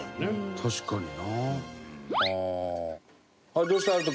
確かにな。